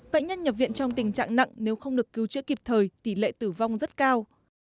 bệnh nhân nhập viện trong tình trạng nặng nếu không được cứu chữa kịp thời tỷ lệ tử vong rất cao